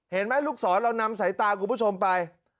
เห็นไหมลูกศรเรานำสายตาคุณผู้ชมไป